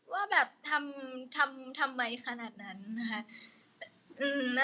ว่าแบบทำไว้ขนาดนั้นนะคะ